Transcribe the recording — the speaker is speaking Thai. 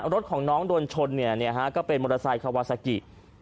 รถของน้องโดนชนก็เป็นมอเตอร์ไซค์คาวาซากิ